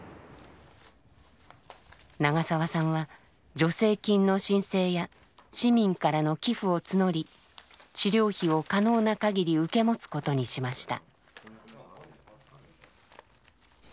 長澤さんは助成金の申請や市民からの寄付を募り治療費を可能なかぎり受け持つことにしました。